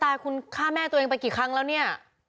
ตายคุณฆ่าแม่ตัวเองไปกี่ครั้งแล้วเนี่ย